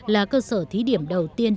là cơ sở thí điểm đầu tiên